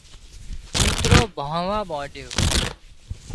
ڪوترو ڀانهوا مانڏيو